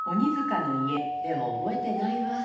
でも覚えてないわ。